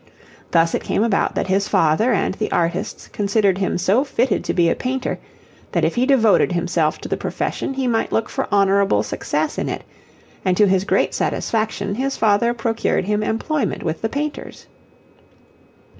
Thus it came about that his father and the artists considered him so fitted to be a painter that if he devoted himself to the profession he might look for honourable success in it, and to his great satisfaction his father procured him employment with the painters.